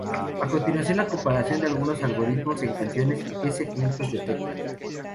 A continuación la comparación de algunos algoritmos en canciones y que segmentos detectan.